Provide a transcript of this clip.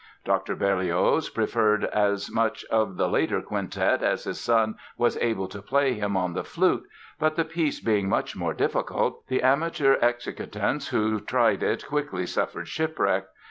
Dr. Berlioz preferred as much of the later quintet as his son was able to play him on the flute, but the piece being much more difficult, the amateur executants who tried it quickly suffered shipwreck.